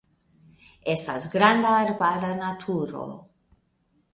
Estas granda arbara naturo.